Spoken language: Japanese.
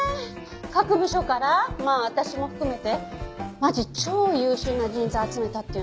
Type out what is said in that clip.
各部署からまあ私も含めてマジ超優秀な人材集めたっていうのにね。